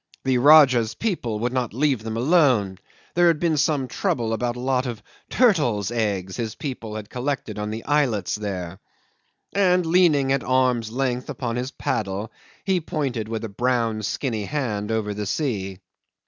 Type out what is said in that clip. The Rajah's people would not leave them alone; there had been some trouble about a lot of turtles' eggs his people had collected on the islets there and leaning at arm's length upon his paddle, he pointed with a brown skinny hand over the sea.